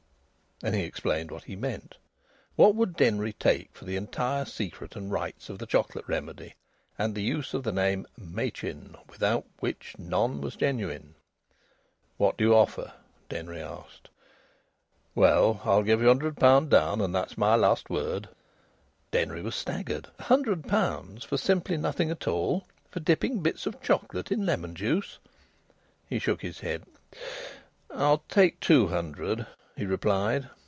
And he explained what he meant. What would Denry take for the entire secret and rights of the Chocolate Remedy and the use of the name "Machin" ("without which none was genuine"). "What do you offer?" Denry asked. "Well, I'll give you a hundred pounds down, and that's my last word." Denry was staggered. A hundred pounds for simply nothing at all for dipping bits of chocolate in lemon juice! He shook his head. "I'll take two hundred," he replied.